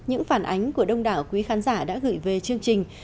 những phản ánh của đông đảo quý khán giả đã gửi về chương trình